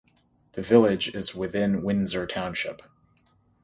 The village is within Winsor Township.